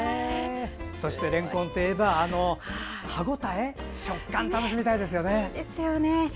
そしてれんこんといえば歯応え食感楽しみたいですよね。